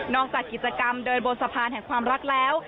จากกิจกรรมเดินบนสะพานแห่งความรักแล้ว